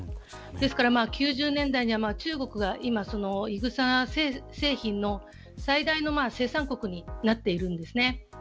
ですから９０年代には中国がイ草製品の最大の生産国になっているんです。